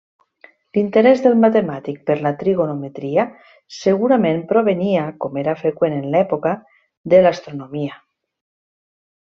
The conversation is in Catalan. L'interès del matemàtic per la trigonometria segurament provenia, com era freqüent en l'època, de l'astronomia.